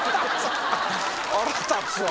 腹立つわ。